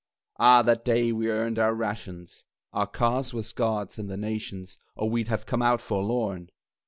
Ah, that day we earned our rations (Our cause was God's and the Nation's, Or we'd have come out forlorn!)